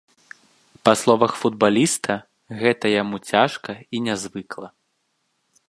Па словах футбаліста, гэта яму цяжка і нязвыкла.